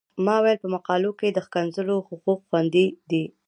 ما ویل په مقالو کې د ښکنځلو حقوق خوندي دي.